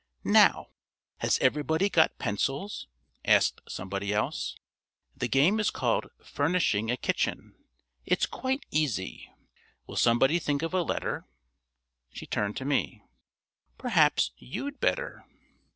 "Now, has everybody got pencils?" asked somebody else. "The game is called 'Furnishing a Kitchen.' It's quite easy. Will somebody think of a letter?" She turned to me. "Perhaps you'd better."